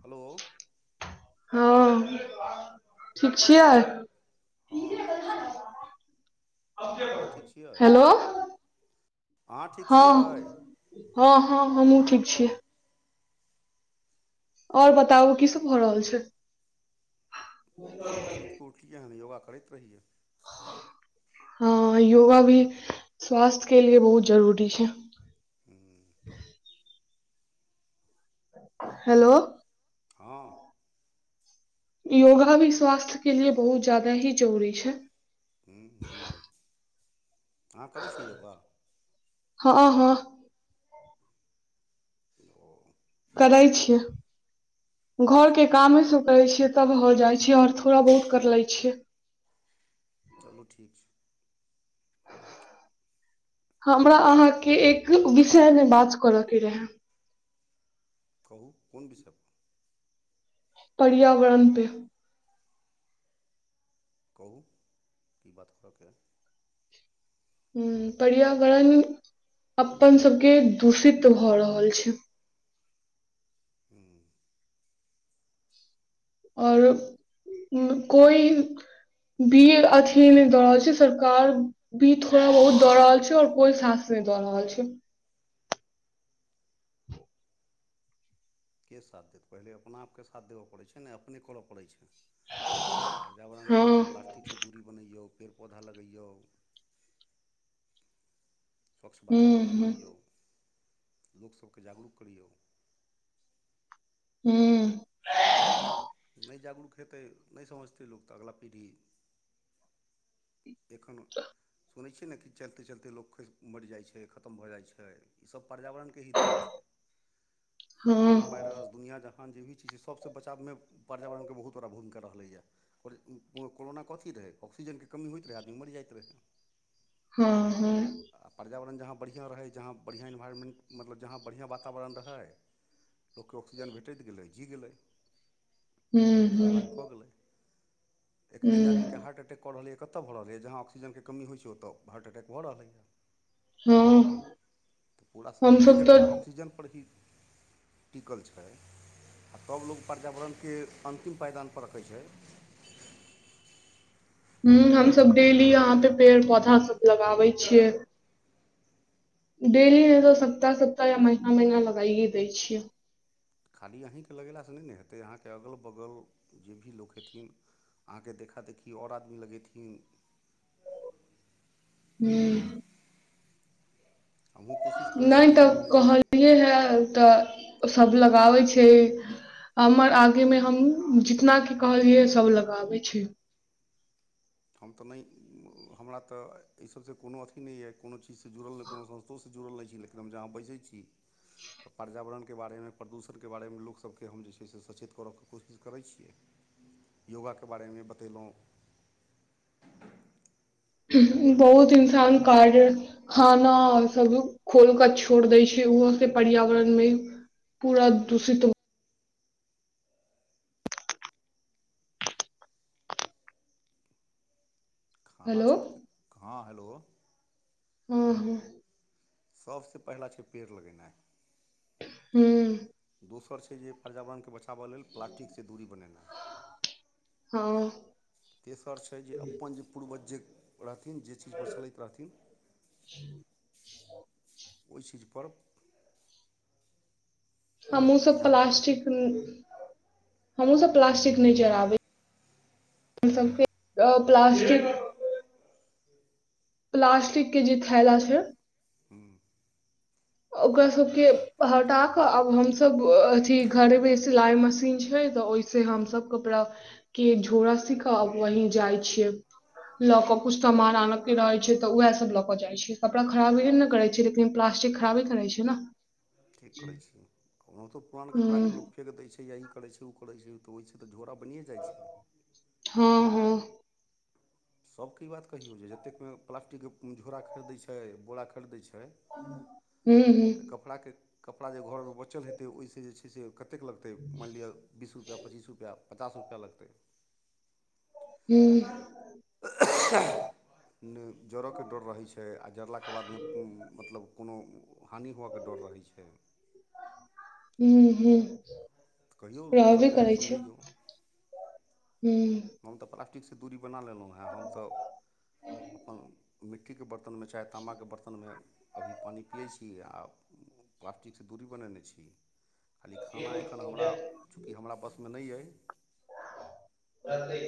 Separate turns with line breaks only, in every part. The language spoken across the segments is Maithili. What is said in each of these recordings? हेल
हँ ठीक छिय
हँ ठीक छिय अहाँ ठीक छियै
हेलो
अहाँ ठीक छिय
हँ हँ हँ हमहहुँ ठीक छिय आओर बताउ की सब भऽ रहल छ
सुबह सुतिक कऽ उठलियै हन योगा रैत रहियै
हँ योगा भी स्वास्थ्य के लिए बहुत जरूरी छ
हू
हेल
ह
योगा भी स्वास्थ्य के लिए बहुत जाददा ही जरूरी छ
हू हूँ अहाँ करै छी योग
हँ ह
ओ
करै छियै घर के
ठीक अइ
कामे
तऽ
स करै छियै तब हो जाइ छीियै आओर थोड़ा बहुत कर ले छिय
चलू ठीक छ
हमरा अहाँके एक विषय मे बात करय के रहै
कहू कोन विष
पर्यावरण प
कहू की बात करऽक
ह पर्यावरण अपन सबके दूषित भए रहल छ
हू
आओर को भी अथीन द छै सरका भी थोड़ा बहुत दऽ रहल छै और कोई सााँस नहि दऽ रहल छ
के साथ देत पहिले अपना आपके साथ देबय पड़ैत छै ने अपने करय पड़ैत छ पर्यावरणके लेल
हँ
प्लास्टिकसँ दूरी बनैयौ पेड़ पौधा लगैय स्वच्छ
हूँ
वातावरण
हूँ
बनैौ लोक सबके जागरूक करिय
हूँ
नहि जागरूक हेतै नहि समझतै लोक तऽ अगिल पीढ़ी एख सुनै छियै ने कि चलते चलते लोक मरि जाइ छै खतम भ जाइ छै ई सब पर्यावरणके ही देल छै
हँ
कोरोना वायरस दुनिया जहाँ जे भी छ सबसँ बचावमे पर्यावरणके बहुत बड़ा भूमिका रहलै कोरोना कथी रहै ऑक्सीजनके कमी होइत रहै आदमी मरि जाइत रह
हँ ह
आ पर्यावरण जहाँ बढ़िआँ रहै जहाँ बढ़िआँ इन्वायरमेंट मतलब जहाँ बढ़िआँ वातावरण रह लोक ऑसीजन भेट गेलै जी गेलै
हूँ
सर्वाइव
हूँ
कऽ गेल एखने जे
हूँ
आमीके ह्टैकऽ रहलैए कतय भऽ रहलैएहाँ ऑक्सीजनके कीइत छै ओतय हार्टअटै भऽ रहलै
हँ
तऽ पूरा शरीरे
हमसब तऽ
जकरा ऑक्सीजनपर ह टिकल आओर तब लोग पर्यावरणके अन्तिम पायदान पर रखै छ
ह हमस डेली यहां पे पेड़ पौधा सब लगाबे छिय डेलीमे तऽ सप्ताह सप्ताह या महीना महीना लगाइे दै छिय
खाली अहीँके लगेलासँ नहि ने हेतै अहाँके अगल बगल जे भी लोक हेथि अहाँके देखा देखी आओर आदमी लगेथि
हू
हमू को
नहि तऽ कहलियै हे तऽ सभ लगाबै छ हमर आगे मे हम जितना की कहलियै सब लगाबे छ
हम तऽ नहि हमरा तऽ एहि सभसँ कोनो अथी नहि यऽ कोनो चीजस से जुड़ल नहि कोनो संस्थोसँ जुड़ल रह नहि छी लेकिन हम जहाँ बैसै छ तऽ पर्यावरणके बारेमे प्रदूषणके बारेमे लोकसभकेँ हम जे छै से सचेत करयके कोशिश करै छिय योगाके बारेमे बतेलहु [unintelligible]
बहुत इन्सान कार्ज खाना सब खोल कऽ छोड़ दै छै ओहो से पर्यावरण में पूरा दूषित ह
खाना
हेलो
छोड़िक हँ हेल
हँ ह
सभसँ पहिला छै पेड़ लगेना
हूँ
दोसर छै जे पर्यावरणके ब द
हँ
तेसर छै जे अपन जे पूर्वज ज रहथिन जे चीज पर चलैत रहथिन ओहि चीज पर
आ मुँह सब
ध्यान
प्ल्टि
देनाइ
हमहु सब प्लास्टिक नहि चढ़ब प्लासटिक प्लास्टिक के जे थैला छ
ह
ओकरा सबके हटा कऽ आब हमसभ अथी घर मे सिलाई मशीन छै तऽ ओह से हम सब कपड़ा के झोरा सी कऽ वही जाइ छिय ल के कुछ सामान आन के रहे छै तऽ उएह सब ल के जाय छै कड़ा खराबे ने करे छै लेकिन प्लास्टि खराबे करै छै न
ठीक करै छी कहहु तऽ पुरान
हूँ
कपड़ाके लो फेक दै छै या ई करै छै ओ करै छै तऽ होइ छै तऽ झोा बनिए जाइ छ
हँ ह
सभके ई बात कहियौ जे जतेक प्लास्टिकके झोरा खरिदै छै बोरा खरिदै छ
हू ह
ऽ कपड़ाके कपड़ा जे घरमे बचल हेतै ओहिसँ जे छै से कतेक लगतै मानि लि बीस रुपआ पचीस रुपआचास रुपआ लगत
हूँ
आ नहि जड़यके डर रहैत छै आ जड़लाके बाद नहि मतलब कोन हानि हुअके डर रहै छ
ह ह
तऽ कहियौ
रहबे
लोकसभकेँ भी
करै छ
समझैयौ
हूँ
हम तऽ प्लास्टिकसँ दूरी बना लेलहुँ हँ हम त अपन मिट्टीके बर्तनमे चाहे तामाके बर्तनमे अभी पानि पियै छी आ प्लास्टिकसँ दूरी बनेने छी खाली खाना एखनहमरा चूँकि हमरा बसमे नहि अ
बात लै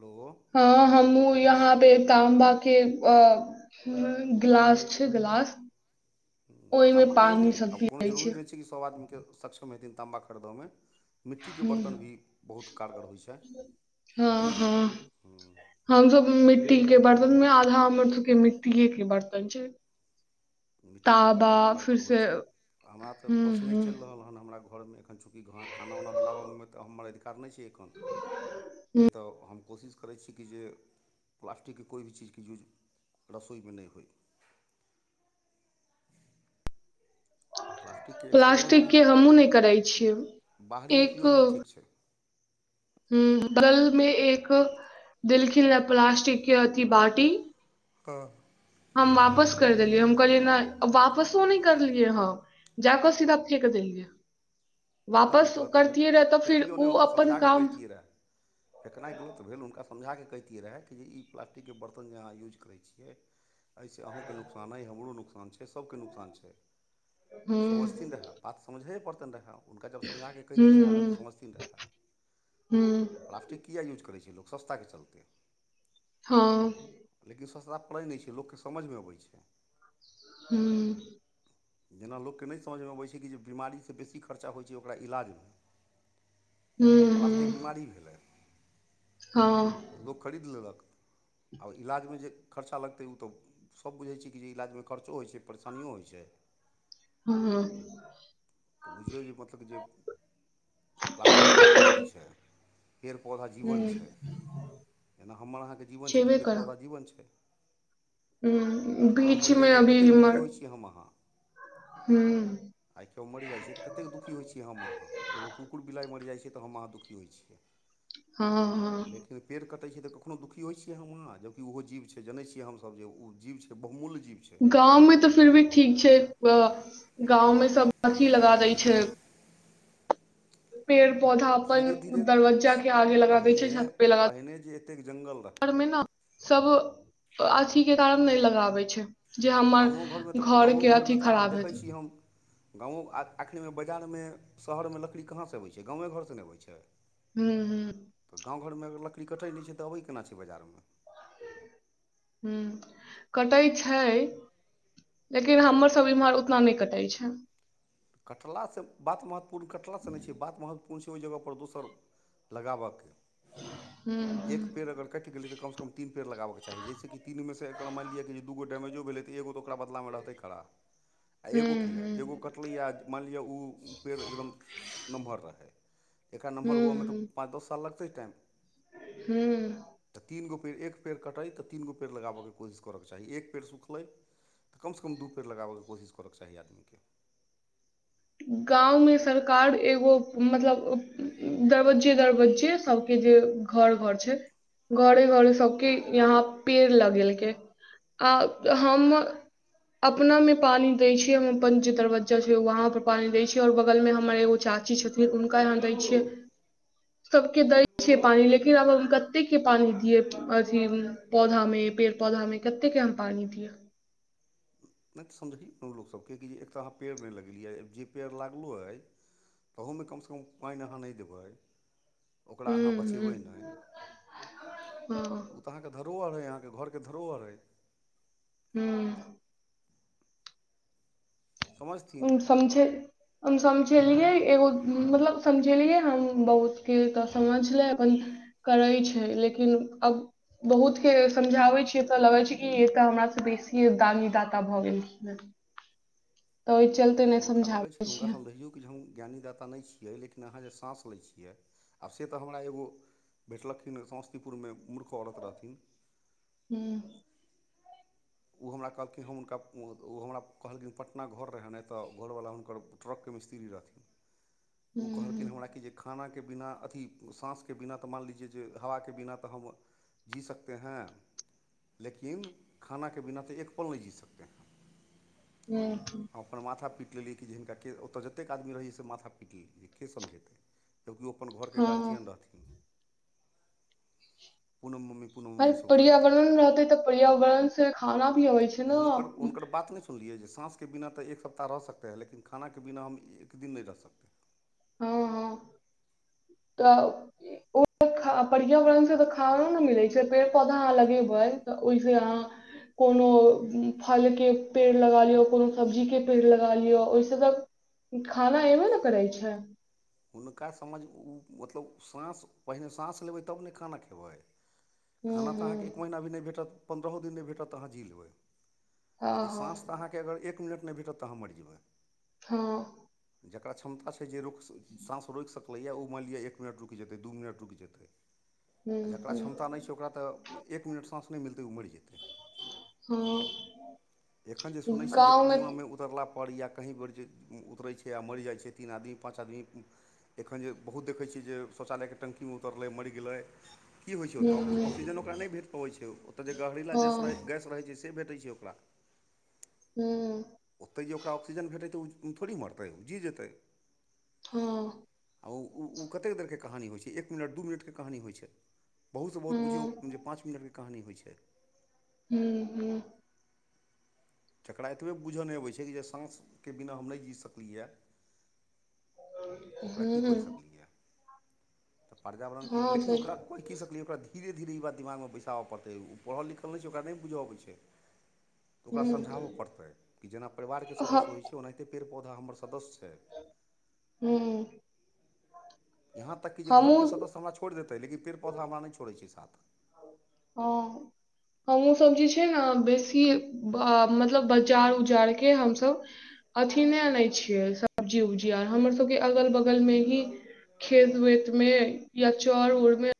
हेल
हँ हमूँ यहाँ पे ताम्बा के ह गिलास छै गिला
ताँ्बा नहि हेतै आब कोनो जरूरी नहि छै कि सभ आदमीकेँ सक्षम हेथिन ताँ्बा खरीदयम मिट्टीके
हूँ
बर्तन भी बहुत कारगर होइ छै
हम सब मिट्टी के बर्तन में आधा हमर सब के मिट्टीए के बर्तन छ
मिट्टीके बरतन
फिर
कारगर
से
होइत छै हमरा तऽ
ह
बस नहि
ह
चलि रहल हन हमरा घरमे एखन चूँकि खाना उना बनाबऽमे तऽ हमर अधिकार नहि छै एखन नहि तऽ हम कोशिश करै छी कि जे प्लास्टिकके कोइ भी चीजके यूज रसोइमे नहि होइ प्लास्टिकके एक्सटर्नल
प्लास्टिक के
यूज
हमहुँ नहि करइ छियै
बाहरी
एक
उपयोग ही ठीक छै
ह बल में एक देलखिन यऽ प्लास्टिक के अथी बाटी
तऽ
हम वापस करि देलियै हम कहलियै नहि वापसो नहि करलियै हँ जााक सीधा फेेक देलियै
नहि ई
वापस
गलत भेल
करतिए
फेक
रह तऽ फिर
फेकियौ नहि
ओ
हुनका
अपन
समझा कऽ
काम
कहितियै रहए फेकनाइ गलत भेल हुनका समझाके कहितियै रहै कि जे ई प्लास्टिकके बर्तन जे अहाँ यूज करै छियै एहिसँ अहूँके नोककसान अइ हमरो नोकसान छै सबके नोककसान छै
ह
समझथिन रहैब बात समझैे पड़तनि रहऽ हुनका जब समझाकऽ
ह ह
कैहतिये रहऽ ने तऽ समझती रहऽ
ह
प्लास्टिक किएक यूज करै छै लोक सस्ताके चलतै
हँ
लेकिन सस्ता पड़ै नहि छै लोककेँ समझमे अबै छै
हूँ
जेना लोककेँ नहि समझमे अबै छै कि जे बमारीसँ बेसी ख खर्चा होय छै ओकरा इलाज मे
ह
प्लास्टिक बीमारी भेलय
हँ
तऽ लोक खरीद लेलक आओर इलाजमे जे खर्चा लगतै ओ तऽ सब बुझै छियै कि जे इलाजमे खरचो होइ छै परेशानियो होइ छै
हू
तऽ बुझियौ जे मतलब जे प्लास्टिक बीमारी छै पेड़ पौधा जीवन
हुं
छै जेना हमर अहाँके जीवन छै
छेबे
तऽ फेर पौधा जीवन छै
उ बीचमे अभी उर
छी हम अहां
हू
आइ कियौ मरी जाइ छैत कतेक दुखी होइ छी हम अहाँ एगो कुकुर बिलाइ मरि जाइ छै तऽ हम अहाँ दुखी होइ छियै
हँ हँ
लेकिन पेड़ कटै छै तऽ कखनो दुखी होइ छियै हम अहाँ जबकि ओहो जीव छै जनय छियै हमसब जे ओ जीव छै बहुमूल्य जीव छै
गाँंव मे तऽ फिर भी ठीक छै गाँंव मे सब अथी लगा दै छै पेड़ पौधा
धीरे धीरे
अपन दरवज्जा के आगे लगा दै
पहिने
छै छत पे
पहिने जे एतेक जङ्गल
लगार
रहै
मे ने सब अथीके कारण नहि लगाबै छै जे हमर
गामो घरमे तऽ
घर
गामो
के अथी
घरमे तऽ आब
खराब
देखै
हेतै
छी हम गाँवो एखनेमे बजारमे शहरमे लकड़ी कहाँसँ अबै छै गाँवे घर से नहि अबै छै
हू हू
तऽ गाँव घरमे अगर लकड़ी कटै नहि छै तऽ अबै केना छै बाजारमे
ह कटै छै लेकिन हमर सब इम्हर उतना नहि कटाै छै
कटासँ बात महतपूर्ण कटलासँ नहि छै बात महत्व कोन छै ओहि जगह पर दोसर लगाबऽके
हुं
एक
हुं
पेड़ अगर कट गेलै तऽ कम कम तीन पेड़ लगाबऽ के चाही जाहिसे कि तीनू मे सऽ एकरा मानि लियऽ जे दू गो डैमेजो भेलैत एगो तो ओकरा बदला मे रहतै खड़ा आ
हुं
एगो की है एगो
हुं
कर मानि लिअ ओ पेड़ एकदम नमहर रहै एकरा नमहर हुएमे तऽ पाँच द साल लगतै टाम
हू
तऽ तीन गो पेड़ एक पेड़ कटै तऽ तीन गो पेड़ लगाबयके कोशिश करयके चाही एक पेड़ सुखलै तऽ कमसँ कम दू पेड़ लगाबैके कोशिश करके चाही आदमीके
गाँवमे सरकार एगो मतल दरबज्जे दरबज्जे सबके जे घर घर छ घरे घरे सबके यहा पेड़ लगेलक आ ह अपना मे पानी देय छै हम अपन जे दरवज्जा छै वहं र पानी दै छियै आऔर बगलमे मर एगो चाची छथिन हुनका यहाँ दै छियै सब के दै छिये पानी लेकिन आब कते के पानी दिये अथि पौधा मे पेड पौधा में कते के आम पानी दियिय
नहि तऽ समझै ने लोकसभके कि एक तऽ अहाँ पेड़ नहि लगेलियै जे पेड़ लागलहुँ अ तहूमे कमसँ कम पानि अहाँ नहि देबै ओकरा
हुं
अहाँ
हुं
बचेबै नह
हँ
तऽ तऽ अके धो आर अइ अहाँके घर धोहर अइ
हूँ ह
समझथिन
समझ हम समझेलियै एगो मतलब समझेलियै हम बहुतके तऽ समझलै अप करै छै लेकिन अ बहुत के समझावे छीये त लगे छै कि ए त हमरा से बेसीये दानी दाता भए गे हं
हुनका लगै छै
समझाबै
तऽ हुनकाँ
छियै
हम रहय हम ज्ञानीदाता नहि छियै लेकिन अहाँ जे साँस लै छियै आब से तऽ हमरा एग भेटलखिन समस्तीपुरमे मूर्ख औरत रहथि
हूँ
ओ हमरा कहलखिन हम हुनका ओ हमरा कहलखिन पटना घर रहनि नहि तऽ घरवला हुनक ट्रकके मिस्त्री रथि
[unintelligible]
तऽ ओ कहलखिन हमरा कि ज खानाके बिना अथी साँसके बिना तऽ मानि लीजिए जे हवाके बिना तऽ ह जी सकते हैं लेकि खानाके बिना तऽ एक पल नहि जी सकते ह
हं
हम अपन माथा पीटि लेलै कि जे हिनका ओतऽ जतेक आदमी रहै से माथा पीट लेलियै के समझेत कियो अपन घर के
हँ
गार्जियन रहथिन कोनों मम्म
पर्यावरण रहते तऽ पर्यावरण से खाना भी अबै छै ने हँ
हुनकर बात नह सुनलियै जे साँसके बिना तऽ एक सप्ताह रह सकते है लेकिन खानाके बिना हम क दिन नहि रह सकतेै
हँ ह तऽ पर्यावरण से तऽ खावरो ने मिलै छै पेड़ पौधा अहाँ लगेबै तऽ ओहिसँ अहा कोनो फलके पेड़ लगा लियौ कोनो सब्जीके पेड़ लगा लियौ ओहिसँ त खाना एऐबे ने करै छ
हुनका समझ ओ मतलब साँस पहिने साँस लेबै तब ने खाना खेब
हूँ
खाना तऽ
हूँ
अहाँकेँ एक महीना भी नहि भेटत पन्द्रहो दिन नहि भेटत अहाँ जी लेबै
हँ
लेकिन
हँ
साँ तऽ अहाँके अगर एक मिनट नहिभेटत तऽ हम मरि जेबै
ह
जकरा क्षमता छै जे रुख साँस रोकि सकलैए ओ मानि लिअ एक मिनट रुकि जेतै दू मिनट रुकि जेत
हूँ
आ जकरा क्षमता नहि छै ओकरा तऽ एक मिनट साँस नहि मिलतै ओ मरि जेत
ह
एखन जे सुनैत छियै जे कुआँ म उतरलापर या कहीँ बेर जे उतरै छै आ मरि जाइ छै तीन आदमी पाँच आदम एखन जे बहुत देखै छियै जे शौचालयके टंकीमे उतरलै मरि गेल की होइत छै
हूँ
ओतय
हूँ
ऑक्सीजन ओकरा नहि भेट पबैत छै ओतय जे गहरीला
हँ
गैस रहै छै से से भेटै छै ओकरा
हू
ओतहि जे ओकरा ऑक्सीजन भेटै ओ थोड़ी मरतै ओ जी जेतै
हँ
आ ओ ओ कतेक देरके कहानी होइ छै एक मिनट दू मिनटके कहानी होइ छै बहुतसँ बहुत बुझियौ
हँ
जे पाँच मिनटके कहानी होइ छै
हू हू
जकरा एतबे बूझय नहि अबै छै कि जे साँसके बिना हम नहि जी सकलियए ओकरा
हूँ
की कहि
हूँ
सकलियै त पर्यावरणके
हँ
लेकिन
सही
ओकरा कोइ की सकलै ओकरा धीरे धीरे ई ब दिमागमे बैसाब पड़तै ओ पढ़ल लिखल नहि छै ओकरा नहि बुझ अबै छै ओकरा
हूँ
समझाब पड़तै कि जेना परिवारके
हँ
सदस्य होइ छै ओनाहिते पेड़ पौधा हमर सदस्य छै
हू
यहाँ तक कि जे घरके
हमहूँ
सदस्य हमरा छोड़ि देतै लेकिन पेड़ पौधा हमरा नय छोड़ैत छै साथ
ह हमूँ सब जे छै ने बेसी मतलब बाजार उजार के हमस अथी नय आनै छियै सब्जी उब्जी आर हमर सबके अगल बगल मे ही खेत वेत मे या चर उरमे